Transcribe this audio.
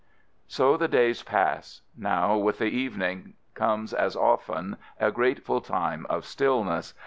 So the days pass — Now, with the evening, comes, as often, a grateful time of stillness.